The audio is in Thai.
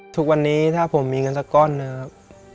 ทุกวันนี้ถ้าผมมีเงินสักก้อนหนึ่งครับ